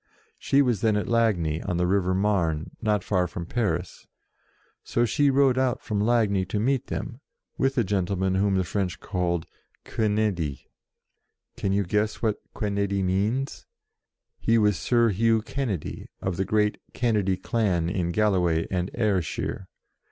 She was then at Lagny, on the river Marne, not far from Paris. So she rode out from Lagny to meet them, with a gentleman whom the French called "Quenede." Can 82 JOAN OF ARC you guess what "Quenede" means? He was Sir Hugh Kennedy, of the great Ken nedy clan in Galloway and Ayrshire.